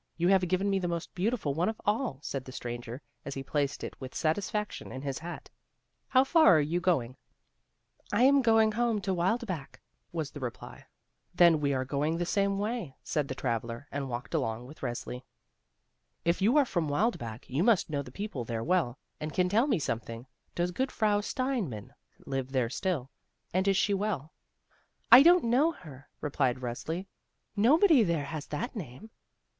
You have given me the most beautiful one of all," said the stranger, as he placed it with satisfaction in his hat. "How far are you going?" "I am going home to Wildbach," was the reply. 52 THE ROSE CHILD "Then we are going the same way," said the traveller and walked along with Resli. "If you are from Wildbach, you must know the people there well, and can tell me something. Does good Frau Steinmann live there still, and is she well?" "I don't know her," replied Resli. "Nobody there has that name."